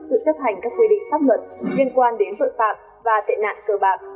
tự chấp hành các quy định pháp luật liên quan đến tội phạm và tệ nạn cờ bạc